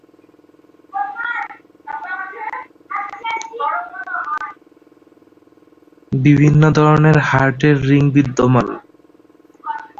বিভিন্ন ধরণের হার্টের রিং বিদ্যমান।